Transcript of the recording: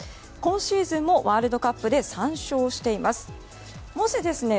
今シーズンもワールドカップで３勝しています。